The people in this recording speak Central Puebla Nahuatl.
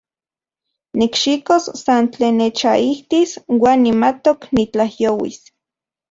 Nikxikos san tlen nechaijtis uan nimatok nitlajyouis.